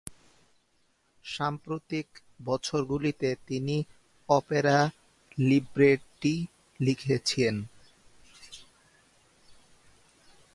সাম্প্রতিক বছরগুলিতে তিনি অপেরা লিব্রেটি লিখেছেন।